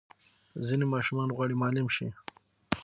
ځینې ماشومان غواړي معلم شي.